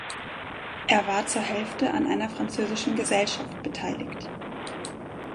Er war zur Hälfte an einer französischen Gesellschaft beteiligt.